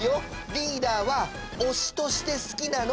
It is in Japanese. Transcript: リーダーは推しとして好きなの！